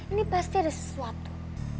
ini pasti ada sesuatu